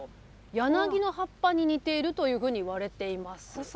柳の葉っぱに似ているというふうに言われています。